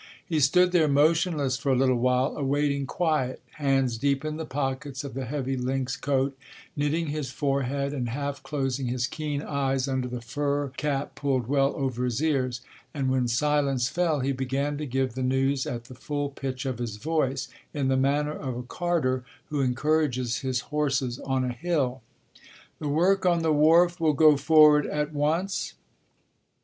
He stood there motionless for a little while, awaiting quiet, hands deep in the pockets of the heavy lynx coat, knitting his forehead and half closing his keen eyes under the fur cap pulled well over his ears; and when silence fell he began to give the news at the full pitch of his voice, in the manner of a carter who encourages his horses on a hill. "The work on the wharf will go forward at once